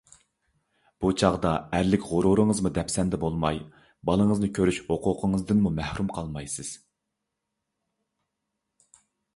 بۇ چاغدا ئەرلىك غۇرۇرىڭىزمۇ دەپسەندە بولمايدۇ، بالىڭىزنى كۆرۈش ھوقۇقىڭىزدىنمۇ مەھرۇم قالمايسىز.